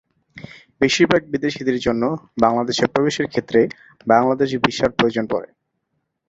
বেশিরভাগ বিদেশীদের জন্য বাংলাদেশে প্রবেশের ক্ষেত্রে বাংলাদেশ ভিসার প্রয়োজন পড়ে।